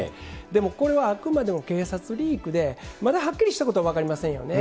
でも、これはあくまでも警察リークで、まだはっきりしたことは分かりませんよね。